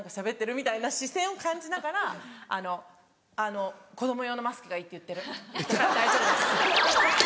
みたいな視線を感じながら「子供用のマスクがいいって言ってるだから大丈夫です」。